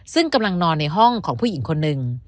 ซึ่งกำลังนอนในห้องของผู้หญิงคนหนึ่ง